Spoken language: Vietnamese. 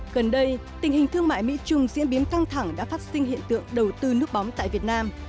gần đây tình hình thương mại mỹ trung diễn biến căng thẳng đã phát sinh hiện tượng đầu tư nước bóng tại việt nam